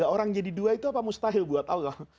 orang jadi dua itu apa mustahil buat allah